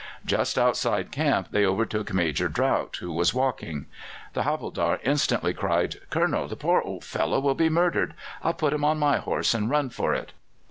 Just outside camp they overtook Major Drought, who was walking. The havildar instantly cried: "Colonel, the poor old fellow will be murdered. I'll put him on my horse and run for it."